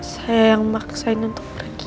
saya yang maksain untuk pergi